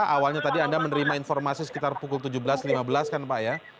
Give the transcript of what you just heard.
awalnya tadi anda menerima informasi sekitar pukul tujuh belas lima belas kan pak ya